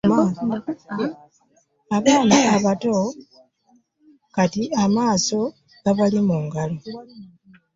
Abaana abato amaaso kati gabali mu ngalo!